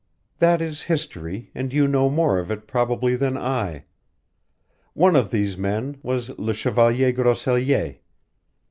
That is history, and you know more of it, probably, than I. One of these men was Le Chevalier Grosellier.